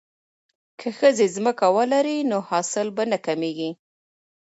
که ښځې ځمکه ولري نو حاصل به نه کمیږي.